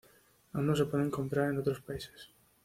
Aún no se pueden comprar en otros países.